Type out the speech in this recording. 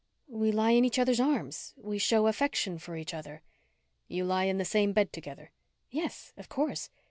"We lie in each other's arms. We show affection for each other." "You lie in the same bed together?" "Yes. Of course."